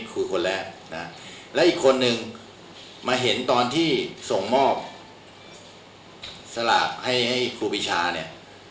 ก็คือจอกไปแล้วอันนี้คุณคนแรกและอีกคนหนึ่งมาเห็นตอนที่ส่งหม้อสลากให้คุณพิชาเนี่ย